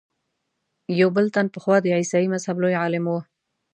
یو بل تن پخوا د عیسایي مذهب لوی عالم و.